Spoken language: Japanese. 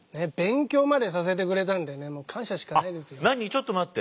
ちょっと待って。